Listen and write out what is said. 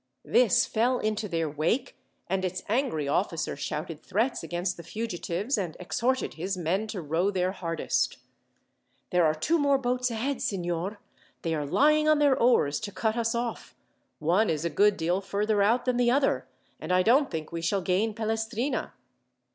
This fell into their wake, and its angry officer shouted threats against the fugitives, and exhorted his men to row their hardest. "There are two more boats ahead, signor. They are lying on their oars to cut us off. One is a good deal further out than the other, and I don't think we shall gain Pelestrina."